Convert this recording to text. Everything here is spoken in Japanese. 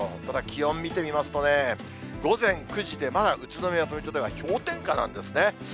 ただ、気温を見てみますとね、午前９時で、まだ宇都宮と水戸では氷点下なんですね。